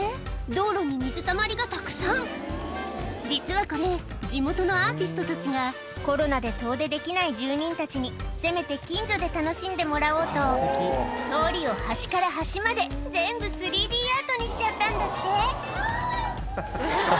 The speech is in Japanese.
道路に水たまりがたくさん実はこれ地元のアーティストたちがコロナで遠出できない住人たちにせめて近所で楽しんでもらおうと通りを端から端まで全部３Ｄアートにしちゃったんだってワオ！